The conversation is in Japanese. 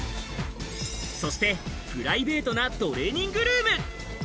そしてプライベートなトレーニングルーム。